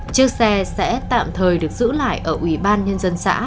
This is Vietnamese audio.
chiếc xe sẽ tạm thời được giữ lại ở ủy ban nhân dân xã